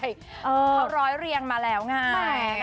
เขาร้อยเรียงมาแล้วไง